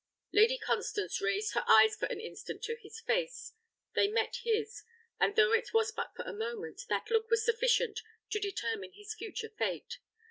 Lady Constance raised her eyes for an instant to his face: they met his, and though it was but for a moment, that look was sufficient to determine his future fate.